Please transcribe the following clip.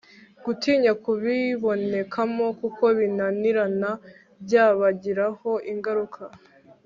gutinya kubibonekamo kuko binanirana byabagiraho ingaruka